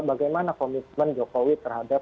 bagaimana komitmen jokowi terhadap